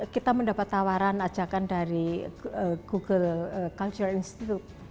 kita mendapat tawaran ajakan dari google culture institute